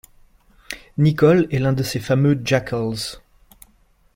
Nichol est l'un de ces fameux Jackals.